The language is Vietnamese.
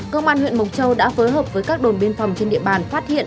công an huyện mộc châu đã phối hợp với các đồn biên phòng trên địa bàn phát hiện